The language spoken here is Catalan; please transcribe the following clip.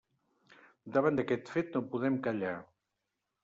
Davant d'aquest fet no podem callar.